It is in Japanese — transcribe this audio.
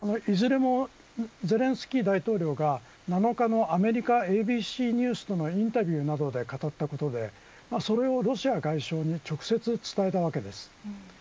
いずれもゼレンスキー大統領が７日のアメリカＡＢＣニュースとのインタビューなどで語ったことでそれをロシア外相に直接、伝えたわけです。